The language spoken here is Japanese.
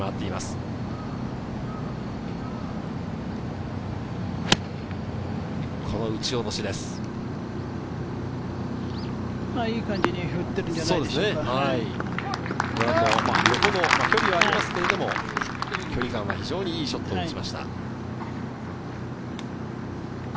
いい感じで距離はありますけれど、距離感は非常にいいショットを見せました。